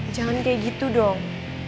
jangan kayak gitu dong